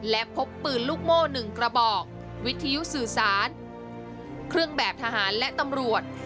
และพบปืนลูกโม่๑กระบอกวิทยุสื่อสารเครื่องแบบทหารและตำรวจ